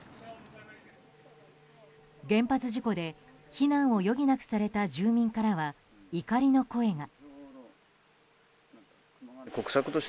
原発事故で避難を余儀なくされた住民からは怒りの声が。